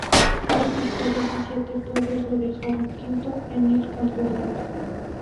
Dos victorias y siete podios lo dejaron quinto en el campeonato.